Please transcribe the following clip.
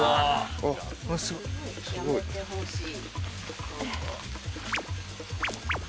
やめてほしい。